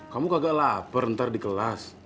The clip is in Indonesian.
kamu kagak lapar ntar di kelas